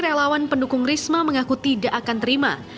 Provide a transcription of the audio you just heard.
relawan pendukung risma mengaku tidak akan terima